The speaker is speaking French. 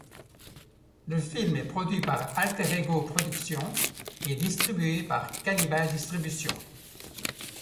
Le film est produit par Alterego Productions et distribué par Kanibal Distribution.